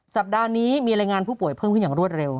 สัปดาห์นี้มีรายงานผู้ป่วยเพิ่มขึ้นอย่างรวดเร็ว